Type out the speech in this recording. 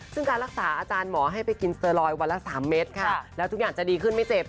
ซึ่งการรักษาอาจารย์หมอให้ไปกินเตอร์ลอยวันละ๓เม็ดค่ะแล้วทุกอย่างจะดีขึ้นไม่เจ็บ